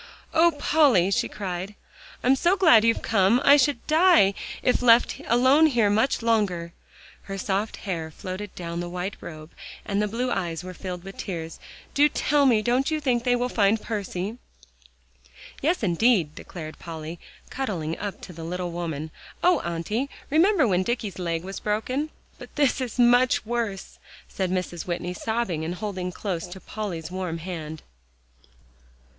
"Oh, Polly!" she cried, "I'm so glad you've come. I should die if left alone here much longer;" her soft hair floated down the white robe, and the blue eyes were filled with tears. "Do tell me, don't you think they will find Percy?" "Yes, indeed!" declared Polly, cuddling up to the little woman. "Oh, Auntie! remember when Dicky's leg was broken." "But this is much worse," said Mrs. Whitney, sobbing, and holding close to Polly's warm hand.